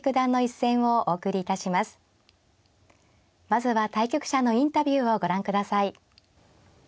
まずは対局者のインタビューをご覧ください。